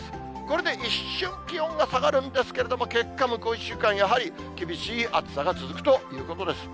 これで一瞬、気温が下がるんですけれども、結果、向こう１週間、やはり厳しい暑さが続くということです。